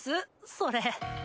それ。